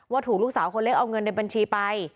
ถูกลูกสาวคนเล็กเอาเงินในบัญชีไป